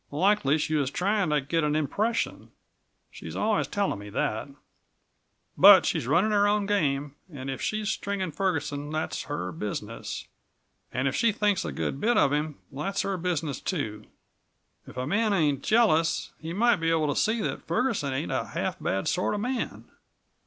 Likely she was trying to get an impression she's always telling me that. But she's running her own game, and if she is stringing Ferguson that's her business, and if she thinks a good bit of him that's her business, too. If a man ain't jealous, he might be able to see that Ferguson ain't a half bad sort of a man."